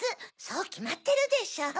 そうきまってるでしょ。